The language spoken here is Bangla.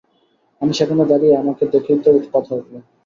আমি সেখানে দাঁড়িয়ে, আমাকে দেখেই তো কথা উঠল।